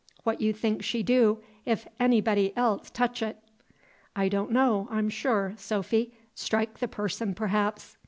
What you think she do, 'f anybody else tech it?" "I don't know, I'm sure, Sophy, strike the person, perhaps."